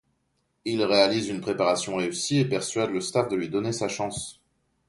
Il réalise une préparation réussie et persuade le staff de lui donner sa chance.